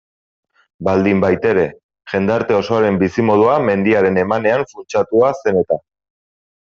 Baldinbaitere, jendarte osoaren bizimodua mendiaren emanean funtsatua zen eta.